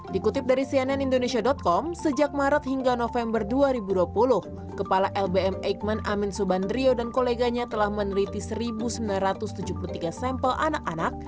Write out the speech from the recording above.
dikutip dari cnn indonesia com sejak maret hingga november dua ribu dua puluh kepala lbm eijkman amin subandrio dan koleganya telah meneliti satu sembilan ratus tujuh puluh tiga sampel anak anak